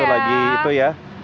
itu lagi itu ya